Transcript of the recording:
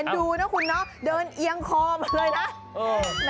ดูนะคุณเนาะเดินเอียงคอมาเลยนะ